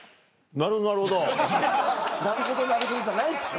「なるほどなるほど」じゃないですよ